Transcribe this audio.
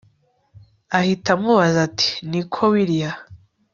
ahita amubaza ati niko willia